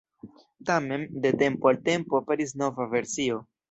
Tamen, de tempo al tempo aperis nova versio.